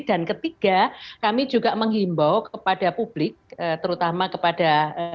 dan ketiga kami juga menghimbau kepada publik terutama kepada